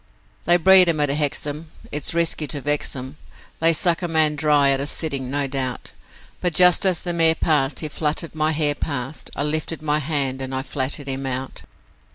'They breed 'em at Hexham, it's risky to vex 'em, They suck a man dry at a sitting, no doubt, But just as the mare passed, he fluttered my hair past, I lifted my hand, and I flattened him out.